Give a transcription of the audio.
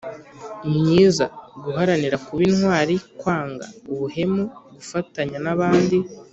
myiza, guharanira kuba intwari, kwanga ubuhemu, gufatanya n’abandi